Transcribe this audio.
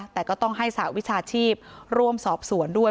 แต่ก็ต้องให้สหวิชาชีพร่วมสอบสวนด้วย